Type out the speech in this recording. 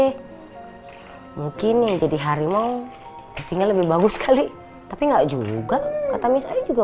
hai mungkin enggak jadi harimau cinta lebih bagus kali tapi enggak juga kata misalnya juga